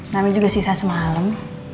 nami juga sisa semalam